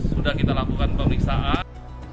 sudah kita lakukan pemeriksaan